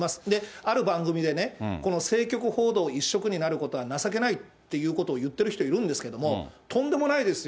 ある番組でね、この政局報道一色報道になることは情けないってことを言ってる人いるんですけれども、とんでもないですよ。